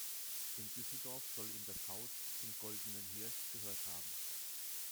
In Düsseldorf soll ihm das Haus „Zum Goldenen Hirsch“ gehört haben.